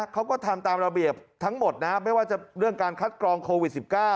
เขาก็ทำตามระเบียบทั้งหมดนะไม่ว่าจะเรื่องการคัดกรองโควิด๑๙